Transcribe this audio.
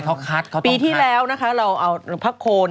เขาคัดเข้าไปปีที่แล้วนะคะเราเอาพระโคน